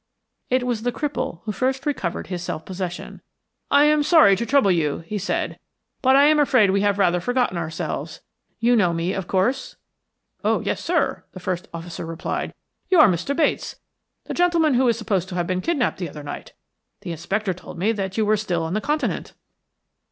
It was the cripple who first recovered his self possession. "I am sorry to trouble you," he said, "but I am afraid we have rather forgotten ourselves. You know me, of course?" "Oh, yes, sir," the first officer replied. "You are Mr. Bates, the gentleman who is supposed to have been kidnapped the other night; the inspector told me that you were still on the Continent."